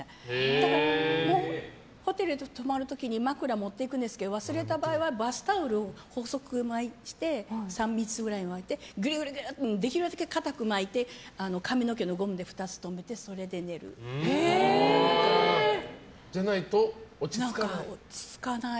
だから、ホテルに泊まる時に枕を持っていくんですけど忘れた場合はバスタオルを細くして３つくらいにしてグルグルってできるだけ硬く巻いて髪の毛のゴムで２つ留めてじゃないと、落ち着かない？